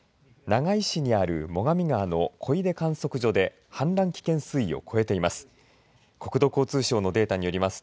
長井市にある最上川の小出観測所で氾濫危険水位を超えています。